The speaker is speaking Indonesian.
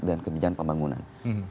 dan kebijakan pembangunan